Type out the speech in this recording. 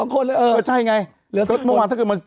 ก็ใช่ไงก็เมื่อวานถ้ามัน๑๑